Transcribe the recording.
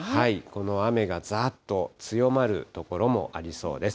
この雨がざーっと強まる所もありそうです。